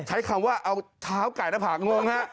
ใช้คำว่าเอาเท้าไก่หน้าผากงงฮะ